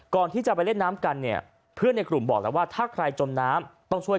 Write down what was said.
ก่อนที่จะไปเล่นน้ำกันเนี่ยเพื่อนในกลุ่มบอกแล้วว่าถ้าใครจมน้ำต้องช่วย